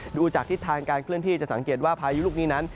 ดูจากทิศทางการเคลื่อนที่จะสังเกตว่าพายุลูกนี้นั้น